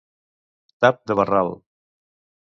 Tap de barral.